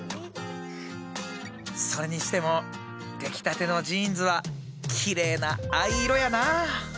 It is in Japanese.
それにしても出来たてのジーンズはきれいな藍色やなあ。